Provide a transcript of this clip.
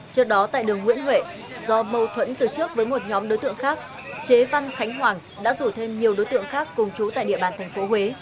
trước đó tại đường nguyễn huệ do mâu thuẫn từ trước với một nhóm đối tượng khác chế văn khánh hoàng đã rủ thêm nhiều đối tượng khác cùng chú tại địa bàn tp huế